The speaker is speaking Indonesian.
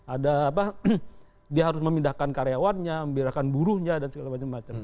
ada apa dia harus memindahkan karyawannya memindahkan buruhnya dan segala macam macam